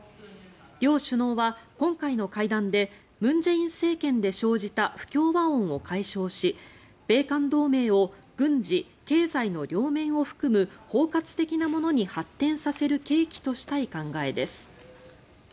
両首脳は今回の会談で文在寅政権で生じた不協和音を解消し米韓同盟を軍事・経済の両面を含む包括的なものに発展させる契機としたい考えです。